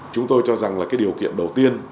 chúng tôi cho rằng là cái điều kiện đầu tiên